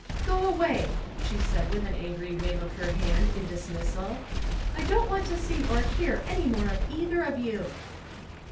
" Go away !" she said, with an angry wave of her hand in dismissal, " I don't want to see or hear any more of either of you."